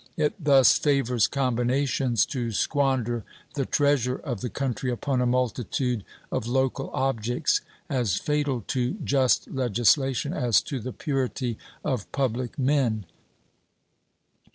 It thus favors combinations to squander the treasure of the country upon a multitude of local objects, as fatal to just legislation as to the purity of public men.